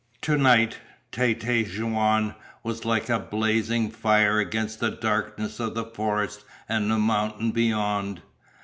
To night Tête Jaune was like a blazing fire against the darkness of the forest and mountain beyond.